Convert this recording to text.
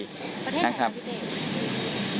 ประเทศไหนครับพี่เต๋